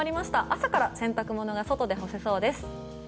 朝から洗濯物が外で干せそうです。